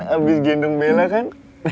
abis gendong bela kan